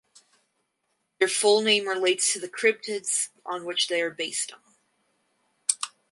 Their full name relates to the cryptids on which they are based on.